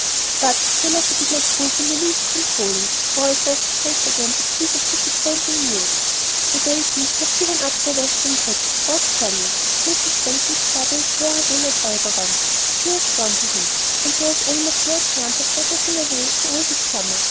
But the letter did not prove in the least consoling, for it was to break to them a piece of disappointing news. "The Daytons have given up their Western trip," wrote Johnnie. "Mrs. Dayton's father is very ill at Elberon; she has gone to him, and there is almost no chance of their getting away at all this summer.